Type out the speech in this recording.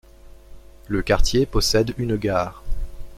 Le quartier possede une gare.